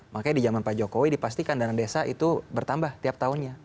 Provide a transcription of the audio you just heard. makanya di zaman pak jokowi dipastikan dana desa itu bertambah tiap tahunnya